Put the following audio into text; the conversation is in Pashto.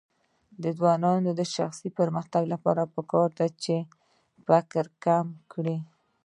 د ځوانانو د شخصي پرمختګ لپاره پکار ده چې فقر کم کړي.